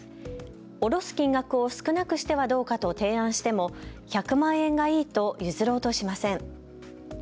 下ろす金額を少なくしてはどうかと提案しても１００万円がいいと譲ろうとしません。